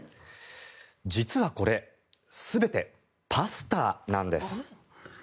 実はこれ、全てパスタなんです。